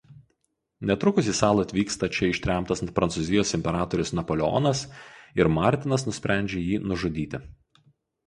Netrukus į salą atvyksta čia ištremtas Prancūzijos imperatorius Napoleonas ir Martinas nusprendžia jį nužudyti.